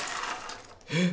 えっ？